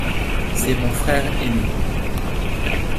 C’est mon frère ainé.